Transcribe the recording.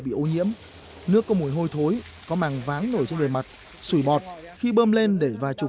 bị ô nhiễm nước có mùi hôi thối có màng váng nổi trên bề mặt sủi bọt khi bơm lên để vài chục